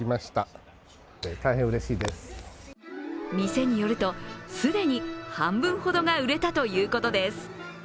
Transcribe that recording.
店によると、既に半分ほどが売れたということです。